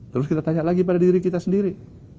terus kita tanya lagi pada diri kita sendiri